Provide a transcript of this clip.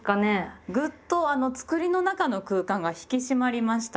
グッとつくりの中の空間が引き締まりました。